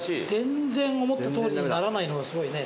全然思ったとおりにならないのがすごいね。